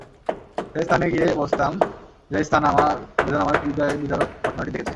সে স্থানে গিয়ে বসতাম যে স্থান আমার বেদনাময় হৃদয়বিদারক ঘটনাটি দেখেছে।